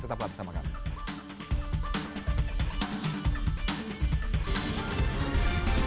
tetap bersama kami